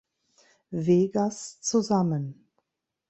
Vegas zusammen.